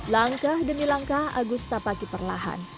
langkah demi langkah agus tak pakai perlahan